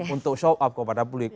untuk show up kepada publik